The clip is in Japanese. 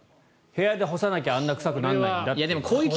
部屋で干さなきゃあんな臭くならないんだという。